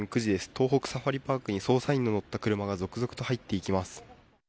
東北サファリパークに捜査員の乗った車が続々と入っていきます。